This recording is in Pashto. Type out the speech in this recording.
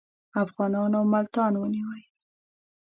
افغانانو ملتان ونیوی.